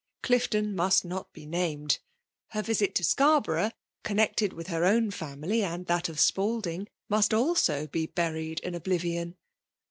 Clifton must not be FEMALE iX>MlKATlON. 175 named; bear visit to Scarborough^ connected with her oim &inily. and that of Spalding> must also be buried in oblivion.